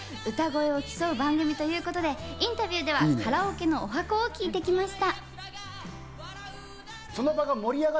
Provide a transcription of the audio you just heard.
歌声を競う番組ということで、インタビューではカラオケのおはこを聞いてきました。